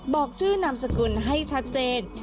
บอกชื่อนามสกุลให้ชัดเจน